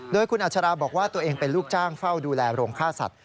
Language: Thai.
โดยคุณอัชราบอกว่าตัวเองเป็นลูกจ้างเฝ้าดูแลโรงฆ่าสัตว